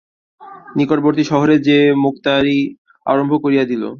নিকটবর্তী শহরে সে মোক্তারি আরম্ভ করিয়া দিল।